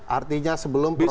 artinya sebelum proses